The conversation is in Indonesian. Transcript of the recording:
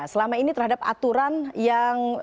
selama ini terhadap aturan yang